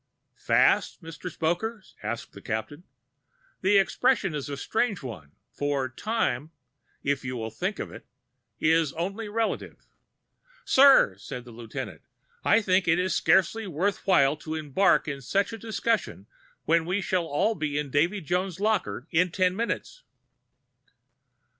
"Fast, Mr. Spoker?" asked the Captain. "The expression is a strange one, for time (if you will think of it) is only relative." "Sir," said the lieutenant, "I think it is scarcely worth while to embark in such a discussion when we shall all be in Davy Jones's Locker in ten minutes."